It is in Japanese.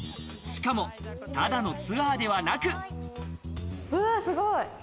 しかも、ただのツアーではなすごい。